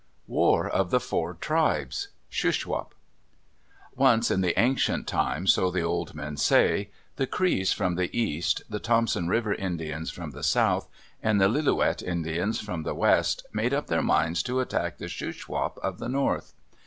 WAR OF THE FOUR TRIBES Shuswap Once in the ancient time, so the old men say, the Crees from the east, the Thompson River Indians from the south, and the Lillooet Indians from the west, made up their minds to attack the Shuswap of the north.